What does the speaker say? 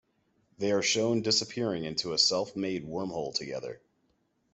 They are shown disappearing into a self-made wormhole together.